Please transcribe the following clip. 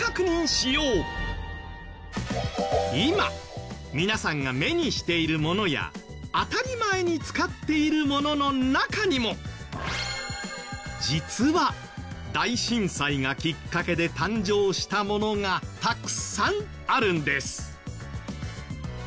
今皆さんが目にしているものや当たり前に使っているものの中にも実は大震災がきっかけで誕生したものがたくさんあるんです。